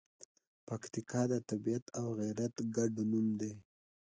پکتیکا د طبیعت او غیرت ګډ نوم دی.